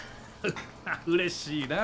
うれしいなぁ。